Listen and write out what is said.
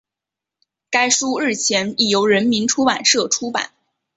该书日前已由人民出版社出版